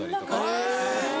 へぇ。